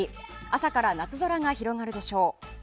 朝から夏空が広がるでしょう。